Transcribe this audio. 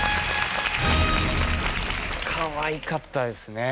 かわいかったですね。